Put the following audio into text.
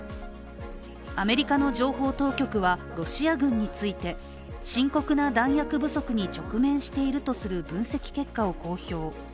アメリカの情報当局はロシア軍について深刻な弾薬不足に直面しているとする分析結果を公表。